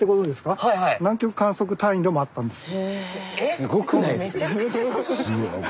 すごくないですか？